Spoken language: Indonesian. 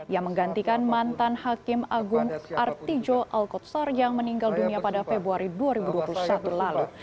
yang menggantikan mantan hakim agung artijo alkotsar yang meninggal dunia pada februari dua ribu dua puluh satu lalu